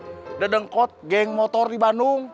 sudah dengkot geng motor di bandung